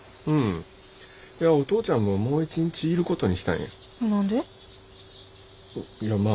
いやお父ちゃんももう一日いることにしたんや。